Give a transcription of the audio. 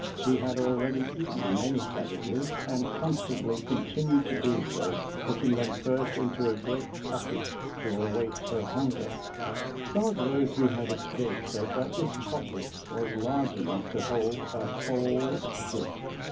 She had already eaten many savages and constantly continued to do so, putting them first into a great pocket to await her hunger. Some of those who had escaped said that this pocket was large enough to hold a whole ship.